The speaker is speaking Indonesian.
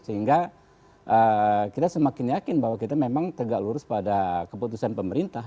sehingga kita semakin yakin bahwa kita memang tegak lurus pada keputusan pemerintah